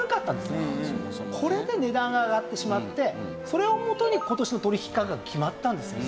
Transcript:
これで値段が上がってしまってそれを元に今年の取引価格が決まったんですね。